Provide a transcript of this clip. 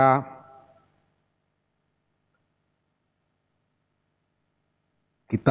keputusan isbat ramadan akan menyatakan bahwa